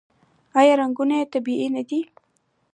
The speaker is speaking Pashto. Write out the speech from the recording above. آیا رنګونه یې طبیعي نه دي؟